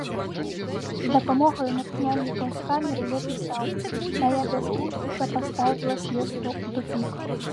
З дапамогаю натхняльнікаў з камеры я пісаў, мая бязглуздзіца паставіла следства ў тупік.